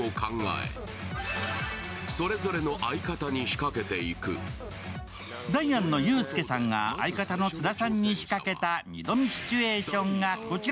そしてダイアンのユースケさんが相方の津田さんに仕掛けた２度見シチュエーションがこちら。